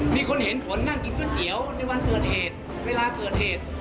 มีคนเห็นผลนั่งกินก๋วยเตี๋ยวในวันเกิดเหตุเวลาเกิดเหตุ